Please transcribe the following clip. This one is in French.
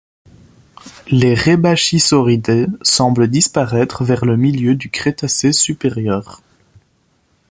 Les Rebbachisauridae semblent disparaître vers le milieu du Crétacé supérieur.